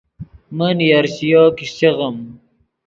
من یرشِیو کیشچے غیم